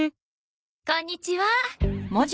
こんにちは。